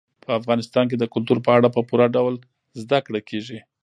په افغانستان کې د کلتور په اړه په پوره ډول زده کړه کېږي.